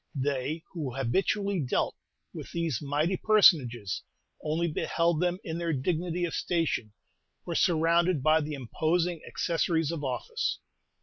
They who habitually dealt with these mighty personages only beheld them in their dignity of station, or surrounded by the imposing accessories of office.